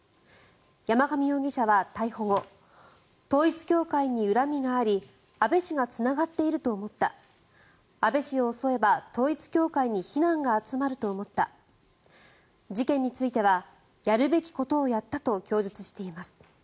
山上容疑者は逮捕後統一教会に恨みがあり安倍氏がつながっていると思った安倍氏を襲えば統一教会に非難が集まると思った事件についてはやるべきことをやったと供述しています。